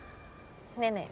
ねえねえ